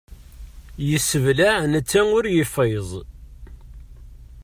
Yesseblaɛ netta ul yeffiẓ.